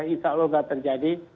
insya allah tidak terjadi